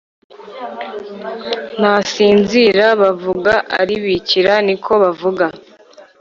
Ntasinzira bavuga Aribikira niko bavuga